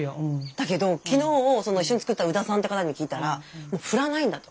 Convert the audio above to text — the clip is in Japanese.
だけど昨日一緒に作った宇田さんって方に聞いたら振らないんだと。